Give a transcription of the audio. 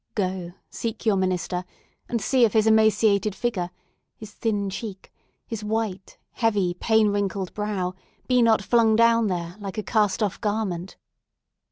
Go, seek your minister, and see if his emaciated figure, his thin cheek, his white, heavy, pain wrinkled brow, be not flung down there, like a cast off garment!"